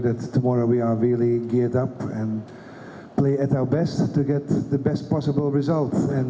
dan kita ingin memastikan bahwa besok kita sangat bergerak dan